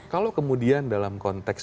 kalau kemudian dalam konteks